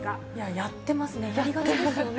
やってますよね。